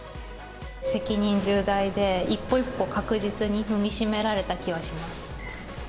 責任重大で、一歩一歩確実に踏み締められた気はします。